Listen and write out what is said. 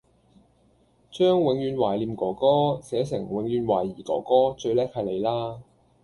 將「永遠懷念哥哥」寫成「永遠懷疑哥哥」最叻係你啦